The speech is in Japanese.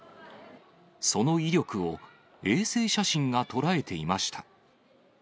その威力を、衛星写真が捉えていました。